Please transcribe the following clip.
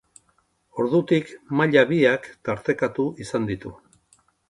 Ordutik maila biak tartekatu izan ditu.